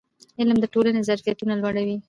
علم د ټولنې ظرفیتونه لوړوي.